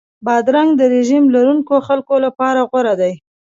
بادرنګ د رژیم لرونکو خلکو لپاره غوره دی.